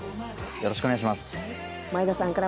よろしくお願いします。